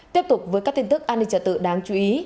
tiếp tục với các tin tức an ninh trật tự đáng chú ý